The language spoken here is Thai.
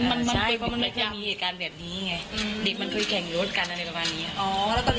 มันเคยมีเหตุการณ์แบบนี้ไง